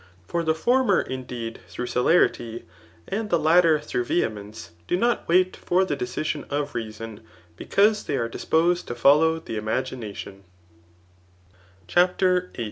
For the former, in deed, through celerity, and the latter through vehemence^ do not wait for the decision of reason, because they are disposed to follow the imaginauom CHAPTER VIII.